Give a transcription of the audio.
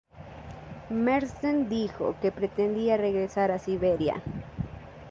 Marsden dijo que pretendía regresar a Siberia.